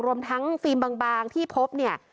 รวมทั้งฟิล์มบางที่พบเนี่ย